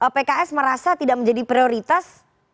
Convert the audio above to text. pks merasa tidak menjadi prioritas